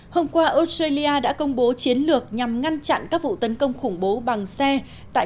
hôm qua australia đã công bố chiến lược nhằm ngăn chặn các vụ tấn công khủng bố bằng xe tại